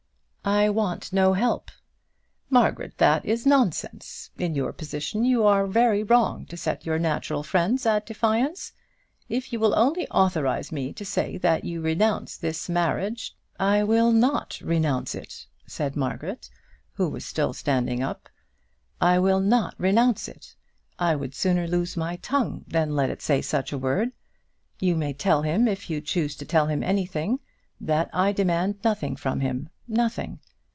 "I want no help." "Margaret, that is nonsense. In your position you are very wrong to set your natural friends at defiance. If you will only authorise me to say that you renounce this marriage " "I will not renounce it," said Margaret, who was still standing up. "I will not renounce it. I would sooner lose my tongue than let it say such a word. You may tell him, if you choose to tell him anything, that I demand nothing from him; nothing.